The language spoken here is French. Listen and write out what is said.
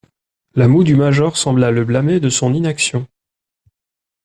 La moue du major sembla le blâmer de son inaction.